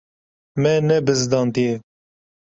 Me nebizdandiye.